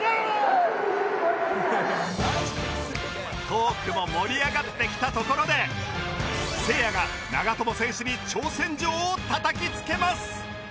トークも盛り上がってきたところでせいやが長友選手に挑戦状をたたきつけます！